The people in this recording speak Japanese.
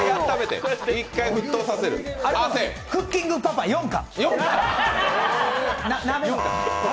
「クッキングパパ」４巻。